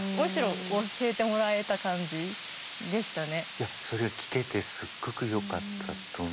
いやそれが聞けてすっごくよかったと思います。